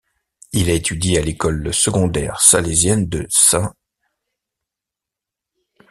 Il a étudié à l'école secondaire salésienne de St.